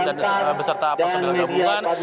dan beserta peserta pilihan gabungan